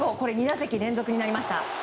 ２打席連続になりました。